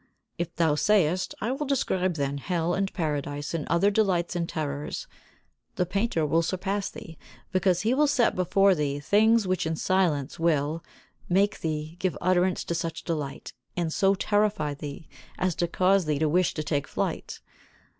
If thou sayest: I will describe then Hell and Paradise and other delights and terrors, the painter will surpass thee, because he will set before thee things which in silence will [make thee] give utterance to such delight, and so terrify thee as to cause thee to wish to take flight.